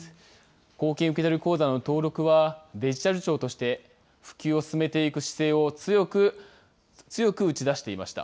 公金受取口座の登録は、デジタル庁として普及を進めていく姿勢を強く打ち出していました。